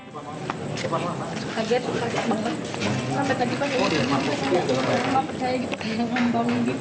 doanya buat vanessa sama bibi orang orang baik